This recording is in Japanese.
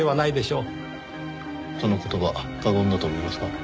その言葉過言だと思いますが。